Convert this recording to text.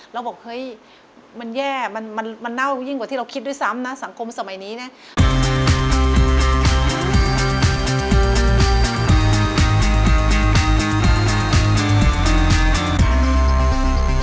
เราบอกเฮ้ยมันแย่มันเน่ายิ่งกว่าที่เราคิดด้วยซ้ำนะสังคมสมัยนี้นะ